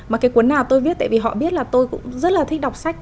mà cái cuốn nào tôi viết tại vì họ biết là tôi cũng rất là thích đọc sách